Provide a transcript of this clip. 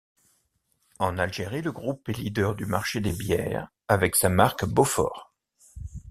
En Algérie le groupe est leader du marché des bières avec sa marque Beaufort.